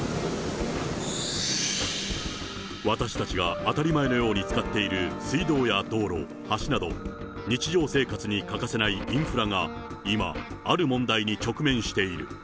私たちが当たり前のように使っている水道や道路、橋など、日常生活に欠かせないインフラが今、ある問題に直面している。